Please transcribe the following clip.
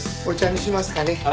お茶にしますかね。